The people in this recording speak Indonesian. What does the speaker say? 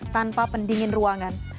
tanpa pendingin ruangan